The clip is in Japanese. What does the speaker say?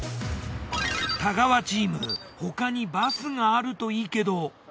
太川チーム他にバスがあるといいけど。